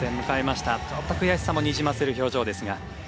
ちょっと悔しさもにじませる表情ですが。